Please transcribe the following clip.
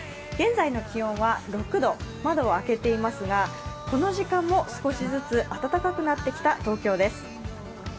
現在の気温は６度、窓は開けていますが、この時間も少しずつ暖かくなってきた東京です。